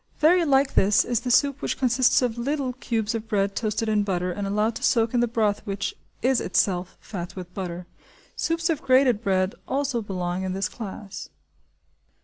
Very like this, is the soup which consists of little cubes of bread toasted in butter and allowed to soak in the broth which is itself fat with butter. Soups of grated bread also belong in this class.